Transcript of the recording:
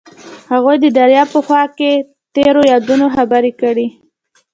هغوی د دریا په خوا کې تیرو یادونو خبرې کړې.